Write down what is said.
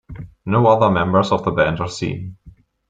No other members of the band are seen.